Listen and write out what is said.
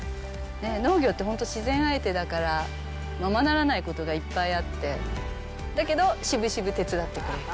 農業って本当、自然相手だから、ままならないことがいっぱいあって、だけどしぶしぶ手伝ってくれる。